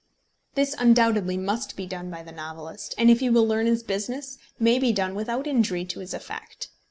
This undoubtedly must be done by the novelist; and if he will learn his business, may be done without injury to his effect.